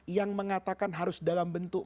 yang mengatakan harus dalam bentuk